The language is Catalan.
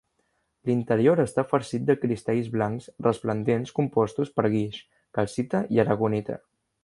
L'interior està farcit de cristalls blancs resplendents compostos per guix, calcita i aragonita.